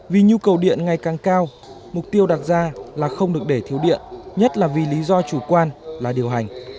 vì nhu cầu điện ngày càng cao mục tiêu đặt ra là không được để thiếu điện nhất là vì lý do chủ quan là điều hành